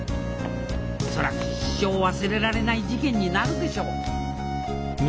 恐らく一生忘れられない事件になるでしょうはい。